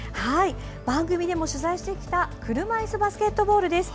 番組でも取材してきた車いすバスケットボールです。